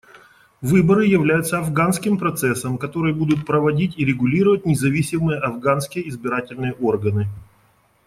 Выборы являются афганским процессом, который будут проводить и регулировать независимые афганские избирательные органы.